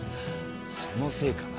そのせいかな。